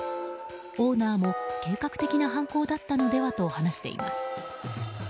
オーナーも計画的な犯行だったのではと話しています。